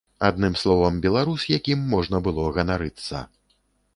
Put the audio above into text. Адным словам, беларус, якім можна было ганарыцца.